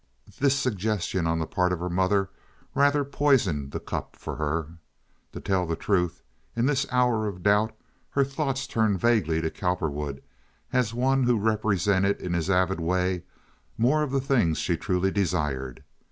This suggestion on the part of her mother rather poisoned the cup for her. To tell the truth, in this hour of doubt her thoughts turned vaguely to Cowperwood as one who represented in his avid way more of the things she truly desired.